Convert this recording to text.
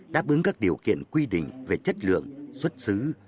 đáp ứng các điều kiện quy định về chất lượng xuất xứ